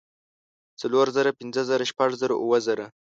څلور زره پنځۀ زره شپږ زره اووه زره